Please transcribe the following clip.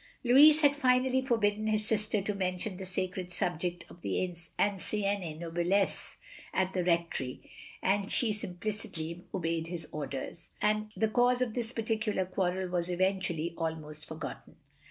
Lotiis had finally forbidden his sister to mention the sacred subject of the ancienne noblesse at the Rectory, and she implicitly obeyed his orders; the cause of this particular quarrel was eventually almost forgotten.